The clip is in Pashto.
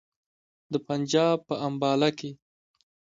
د پنجاب په امباله کې.